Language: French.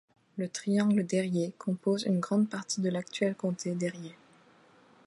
Le Triangle d'Érié compose une grande partie de l'actuel comté d'Érié.